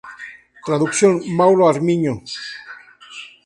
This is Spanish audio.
Traducción: Mauro Armiño.